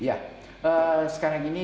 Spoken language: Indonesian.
ya sekarang ini